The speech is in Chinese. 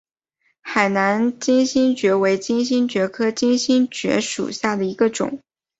海南金星蕨为金星蕨科金星蕨属下的一个种。